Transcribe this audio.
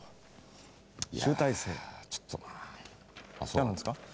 嫌なんですか？